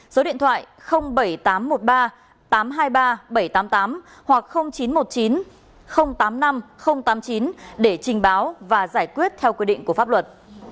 số điện thoại bảy nghìn tám trăm một mươi ba tám trăm hai mươi ba bảy trăm tám mươi tám hoặc chín trăm một mươi chín tám mươi năm tám mươi chín để trình báo và giải quyết theo quy định của pháp luật